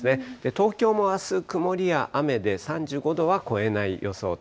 東京もあす、曇りや雨で３５度は超えない予想と。